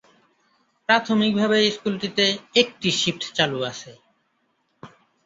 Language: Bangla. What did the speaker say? প্রাথমিকভাবে স্কুলটিতে একটি শিফট চালু আছে।